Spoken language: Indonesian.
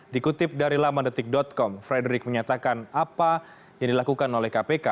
dikutip dari lamandetik com frederick menyatakan apa yang dilakukan oleh kpk